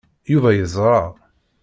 Yuba yeẓṛa.